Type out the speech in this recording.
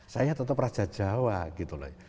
saya tetap raja jawa gitu loh